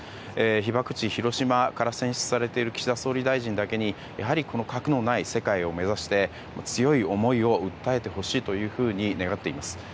被爆地広島から選出されている岸田総理大臣なだけに核のない世界を目指して強い思いを訴えてほしいと願っています。